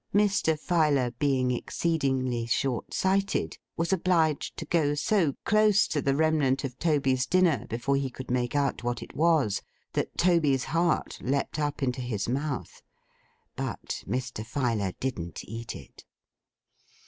Mr. Filer being exceedingly short sighted, was obliged to go so close to the remnant of Toby's dinner before he could make out what it was, that Toby's heart leaped up into his mouth. But Mr. Filer didn't eat it.